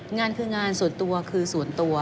งานคืองานส่วนตัวคือส่วนตัว